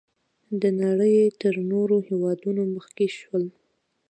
د نړۍ تر نورو هېوادونو مخکې شول.